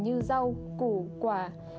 như rau củ quả